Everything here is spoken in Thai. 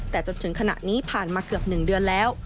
แต่จนถึงขณะนี้ผ่านมาเกือบ๑เดือนแล้ว